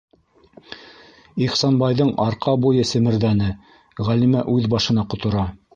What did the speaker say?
Ихсанбайҙың арҡа буйы семерҙәне: Ғәлимә үҙ башына ҡотора!